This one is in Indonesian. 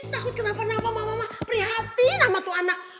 takut kenapa napa mama mama prihatin sama tu anak